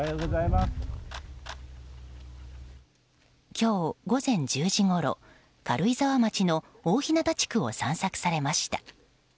今日午前１０時ごろ軽井沢町の大日向地区を散策されました。